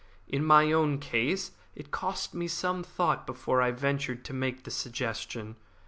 In my own case, it cost me some thought before I ventured to make the suggestion.